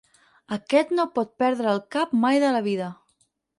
Aquest no pot perdre el cap mai de la vida.